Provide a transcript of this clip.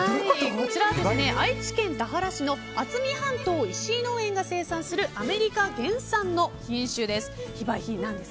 こちらは愛知県田原市の渥美半島石井農園が生産するアメリカ原産の品種です。